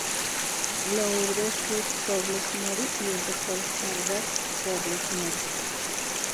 Lourdes Ruth Robles Mori y el Dr. Herbert Robles Mori.